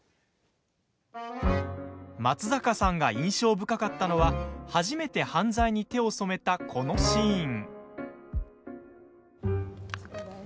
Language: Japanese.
松坂さんが印象深かったのは初めて犯罪に手を染めたこのシーン。